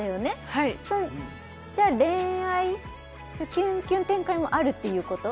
はいじゃあ恋愛キュンキュン展開もあるっていうこと？